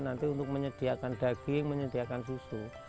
nanti untuk menyediakan daging menyediakan susu